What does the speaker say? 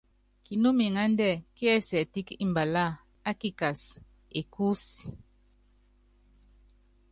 Kinúmiŋándɛ́ kiɛsiɛtɛ́k mbalá a kikas kí kúsí.